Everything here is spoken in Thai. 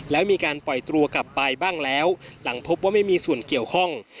แล้วมีการปล่อยตัวกลับไปบ้างแล้วหลังพบว่าไม่มีส่วนเกี่ยวข้อง